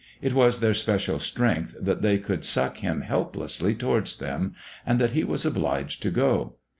It was their special strength that they could suck him helplessly towards them, and that he was obliged to go.